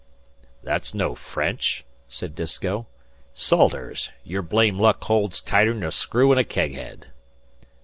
"That's no French," said Disko. "Salters, your blame luck holds tighter'n a screw in a keg head."